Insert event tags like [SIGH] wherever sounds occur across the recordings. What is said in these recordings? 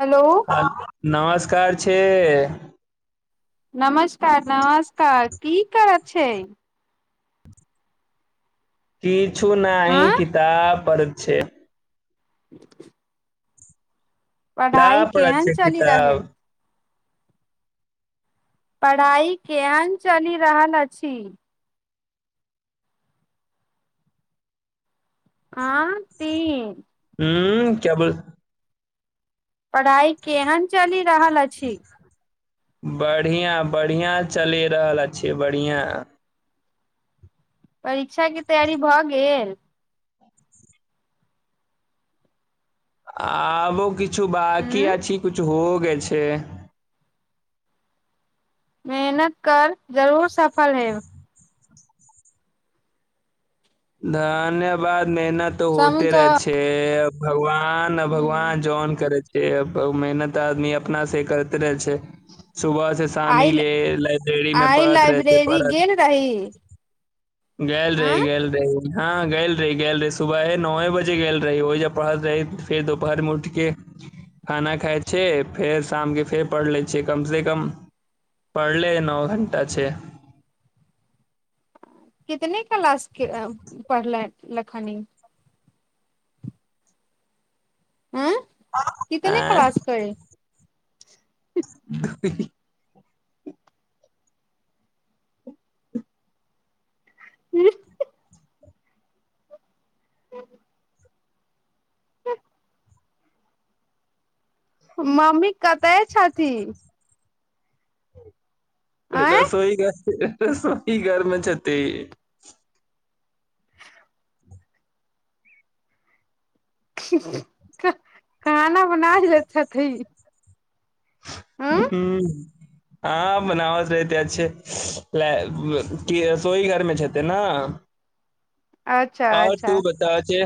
hello ह नमस्कार छै नमस्कार नमस्कार की करत छै किछु नहि हँ किताब पढ़त छै [INAUDIBLE] पढ़ाई किताब पढ़ैइ केहन छियै चलि रहल किताब पढ़ाई केहन चलि रहल अछि हँ ठीक हूं क्या बोल पढ़ाई केहन चलि रहल अछि बढ़िआँ बढ़िआँ चलि रहल अछि बढ़िआँ परीक्षा के तैयारी भऽ गेल आबो किछु बाकी ह अछि किछु हो गेल छैइ मेहनत कर जरूर सफल हेब धन्यवाद मेहनत तऽ होते रहै समझह छै भगवान आ न हूँ भगवान जौन करे छैय मेहनत आदमी अपना से करते रहे छै सुबह से सामी आइ ले लाइब्रेरी में आइ पढ़त रहत लाइब्रेरी गेल रही पढ़त गेल रही आँ गेल रही हँ गेल रही गेल रही सुबह नौ ए बजे गेल रही ओहि जब पढ़ल रही फेर दोपहर मे उठ के खाना खाय छै फेर शामके फेर पढ़ लै छै कम से कम पढ़ले नओ घण्टा छै कितने क्लास पढ़ले लखनी अँ कितने आँय क्लास क [UNINTELLIGIBLE] ह [UNINTELLIGIBLE] [UNINTELLIGIBLE] मम्मी कतय छथिन आँय रसोई घर रसोई घरमे छथि खाना बनाय लैत छथि ह हँ बनावट रहते अच्छे की रसोई घरमे छै ते ने अच्छा आओर अच्छा तू बता छै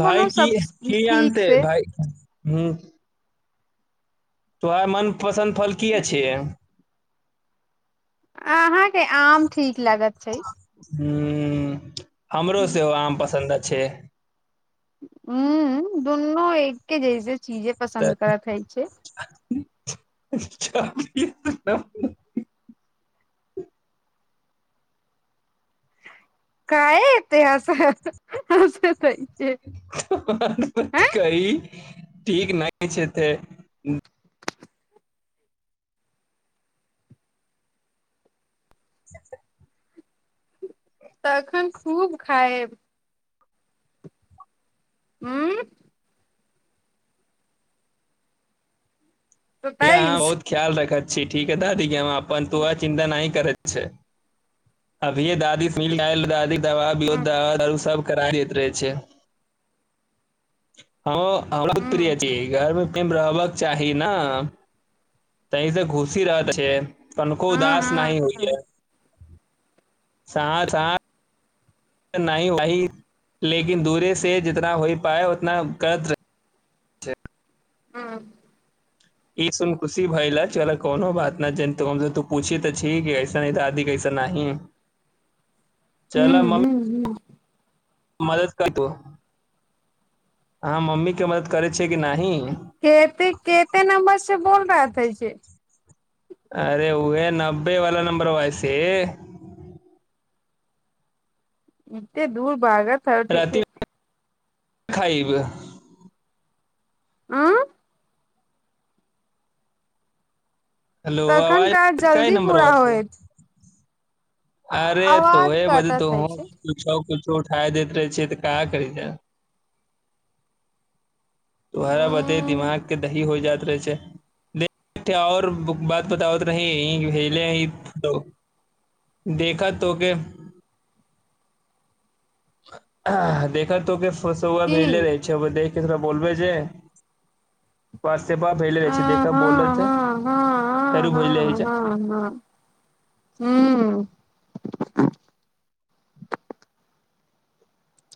भाई की सब की ठीक आनते से भाइ हू तोहर मनपसन्द फल की अछि अहाँके आम ठीक लागत छै ह हमरो सेहो आम पसन्द छै ह दूनु एके जैस चीजे पसन्द तऽ करत हइ छै [UNINTELLIGIBLE] काय एतै हसे हस्त हैइ कही ठीक नहि छै ते [INAUDIBLE] तखन खूब खायब उं भैया हम सताइस बहुत ख्याल रख छी ठीक है दादी हम अपन ह तोह चिन्ता नहि करैत अभीे दादी स मिल दादी दबा ह दबा दारू सब करा दैत रहे छै हमरा बहुत प्रिय हँ छी घरमे रहबक चाही ने तहि से खुशी रहत छै तनिको उदास नहि होइ ह सा स नहि वहि लेकिन दूरे से जितना हो पाए उतना करत रही हँ ई सुन खुशी भाइल चलअ कोनो बात न ज त हमस तू पूछि तऽ छी कि कऐसा दादी कैसन नहि हू हू हू मदद करतौ आहाँ मम्मी के मदद करै छी केते केते नम्बर से बोल रहा था जे अरे उह नब्बे वाला नम्बरबा से एते दूर भागत ह ओठै छै खइब आँ हेलो तखन आवाज काज क जल्दी नंबर पूरा व से होयत अरे त आवाज ए बध त कटत हइ ह छै कछो उठााय दैत रहे छिय तऽ कहाँ करी जा तोहरा बते उ दिमाग के दही होइ जाइत रहै छै देखठेऔर बात बताओत भेले हइ तो देखअ तोहके देखअ तोहके पंसौआ की भेले रहै छै व देख के थोड़ा बोलबै जे व्हाट्सऐपा भेजले रहै आ छै देखह हँ बोलल हँ छै हँ फेरो भेजले रहै हँ हँ छै हँ हँ हू [INAUDIBLE]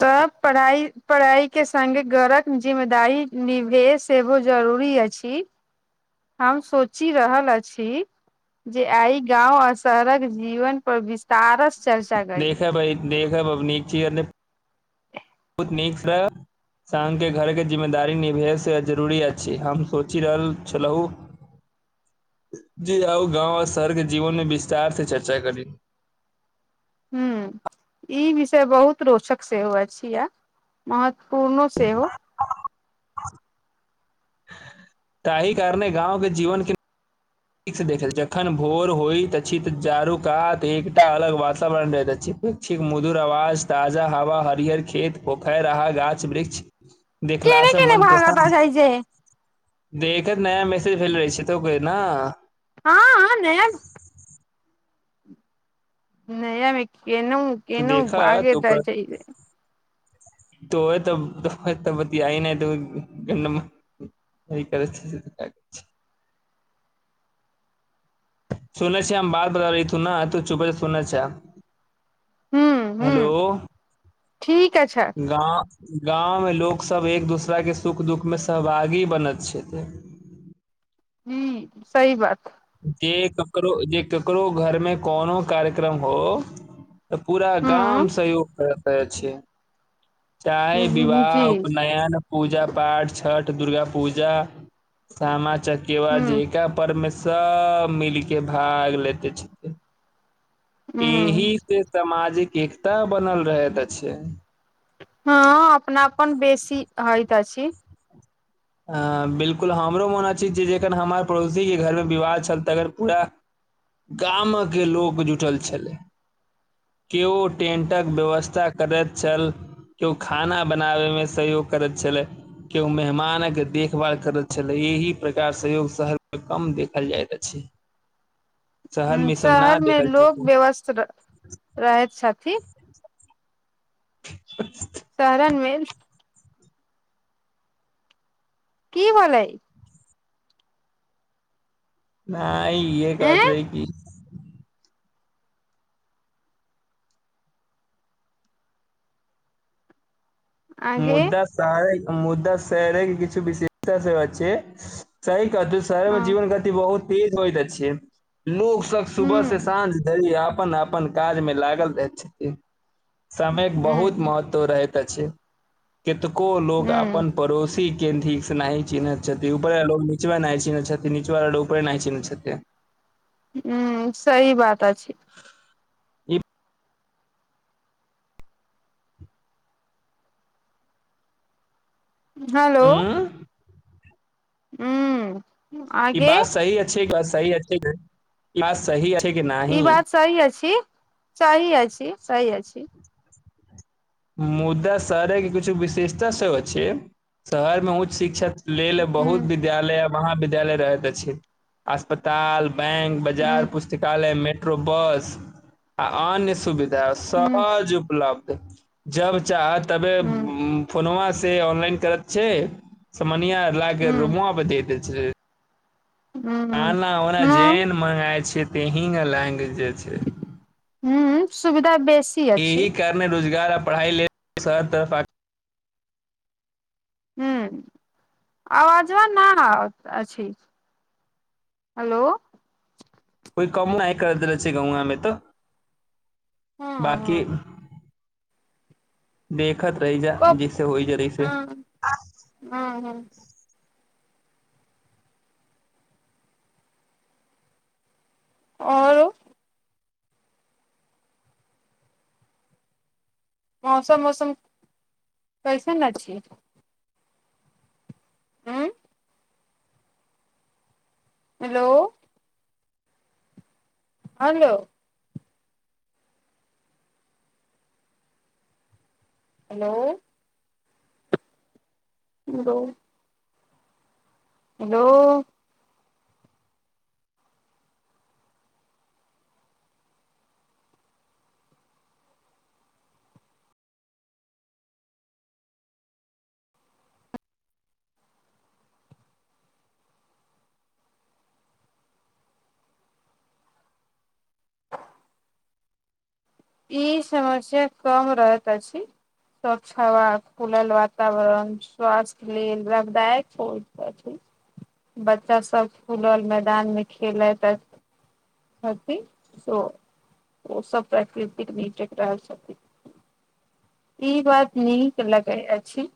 तऽ पढ़ाई पढ़ाई के संगे घरक जिम्मेदारी निवेश एगो जरू जरूरी अछि हम सोचि रहल अछि जे आइ गाँव आ शहरक जीवन पर विस्तारस चर्चा करी देखब देखब अब नीचे आर नै बहुत नीकसँ सामके घरके जिम्मेदारी निभेसँ जरूरी अछि हम सोचि रहल छलहुँ [INAUDIBLE] जे आउ गाँव आ शहरके जीवन मे विस्तार से चर्चा करी ह ई विषय बहुत रोचक सेहो अछि यै महत्व पूर्नो सेहो ताहि कारणे गाँंव के जीवन के ठीक स देखल जखन भोर होइत अछि त चारूकात एकटा अलग वातावरण रहैत अछि पक्षीक मधुर आवाज ताजा हवा हरिहर खेत पोखरि रहा गाछ वृक्ष देख केने देखलास केने मन भागत प्रसन्न छै जे देखैत नया मैसेज भेल रहे छै त कहै न हँ आने नया मे केनो केनो भागैत आ जैबै तोहे त तऽ तब बतियाइ नहि तब केन [UNINTELLIGIBLE] सुनने छै हम बात बता दैत हु न तू चुपे से सुने छै हूँ हूँ हेलो ठीक अ छै गाँवमे लोकसभ एक दोसराके सुख दुःख मे सहभागी बनैत छथि [INAUDIBLE] ह सही बात जे ककरो जे ककरो घर मे कोनो कार्यक्रम हो तऽ पूरा गाम हूँ सहयोग करैत छै चाहे विवाह जी उपनयन पूजा पाठ छठ दुर्गा पूजा सामा चकेवा हूँ जैका पर्व मे सब मिलके भाग लेते छिके एहि हूँ से सामाजिक एकता बनल रहैत अछि हँ अपनापन बेसी होयत अछि ह बिलकुल हमरो मन अछि जे जखन हमर पड़ोसीके घरमे विवाह छल तखन पूरा गामके लोक जुटल छलै केओ टेन्टक व्यवस्था करैत छल केओ खाना बनाबे मे सहयोग करैत छलै केओ मेहमानक के देखभाल करैत छलै एहि प्रकार सहयोग शहरमे कम देखल जाइत अछि शहर हुँ मे ई सब न शहरमे देखल लोक छै व्यवस्थ र रहैत छथिन [INAUDIBLE] शहरनमे की होलै नहि इहे ए कहत रही की आगे मुद्दा शहरे मुद्दा शहरे के किछु विशेषता सेहो छै शहे शहर मे हँ जीवन गति बहुत तेज होइत अछि लोक सब सुबह से हूँ साँझ धरि अपन अपन काज मे लागल रहैत छथिन समयक बहुत हूँ महत्व रहैत अछि कतेको लोक हूँ अपन पड़ोसी के ठीक नहि चिन्हैत छथि ऊपर लोकग नचबा नहि चिन्हैत छथिन नीचबाला उपरे नहि चिन्हैत छथिन हुँ सही बात अछि ई हेलो उंम्म हुँ ई बात सही अछि सही अछि बात सही अछि कि ई नाही बात सही अछि सही अछि सही अछि मुदा शहरेके किछु विशेषता सब छै शहरमे उच्च शिक्षा लेल हूँ बहुत विद्यालय महाविद्यालय रहैत छै अस्पताल बैंक बाजार हूँ पुस्तकालय मेट्रो बस आ अन्य सुविधा है हूँ सहज उपलब्ध जब चाह तबे हूँ फोनोव से से ऑनलाइन करै छै समनिया लाके हूँ रूमो आ पर दै दे छै हूँ आना ओना हँ जेहन मगाय छै ते हींग लैग जे छै हुम् हुँ सुविधा बेस एहिह कारणे रोजगार आ पढ़ाई ल सब तरफ हुँ आवजबा न आबत अछी हेलो कोइ कम नहि कर देेले छै गआमे तऽ हँ हँ बाकी देखत रहहि जा कब जिसे होइ जरैसे हँ हँ हँ ओरु मौसम वौसम कैसे ने छियै हुँ हेलो हलो हेलो [UNINTELLIGIBLE] हेलो ई समस्या कम रहैत अछि स्वच्छ हवा खुलल वातावरण स्वास्थ्य लेल लाभदायक हो बे छथिन बच्चा सब खुलल मैदानमे खेलैत आ कथी ओ सब प्रकृति [UNINTELLIGIBLE] ई बात निक लगय अछी